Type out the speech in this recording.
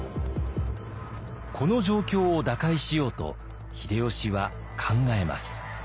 この状況を打開しようと秀吉は考えます。